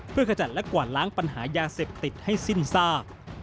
เพื่อขจัดและกวาดล้างปัญหายาเสพติดให้สิ้นซาก